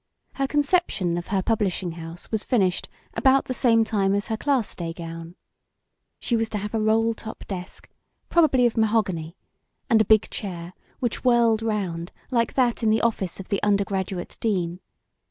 Her conception of her publishing house was finished about the same time as her class day gown. She was to have a roll top desk probably of mahogany and a big chair which whirled round like that in the office of the under graduate dean.